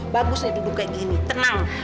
bagusnya duduk kayak gini tenang